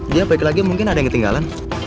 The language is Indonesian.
dia balik lagi mungkin ada yang ketinggalan